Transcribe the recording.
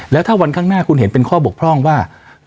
แล้วถ้าวันข้างหน้าคุณเห็นเป็นข้อบกพร่องว่า